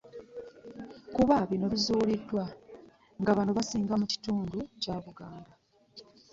Kuba kizuuliddwa nga bano basinga mu bitundu bya Buganda.